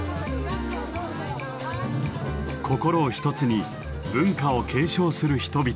心を一つに文化を継承する人々。